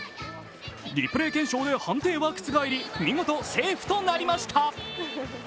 リプレー検証で判定は覆り、見事セーフとなりました。